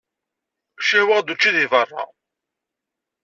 Cihwaɣ-d učči deg beṛṛa.